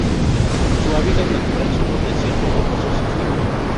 Su hábitat natural son los desiertos rocosos y fríos.